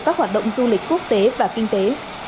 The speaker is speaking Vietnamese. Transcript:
các hoạt động du lịch quốc tế và kinh tế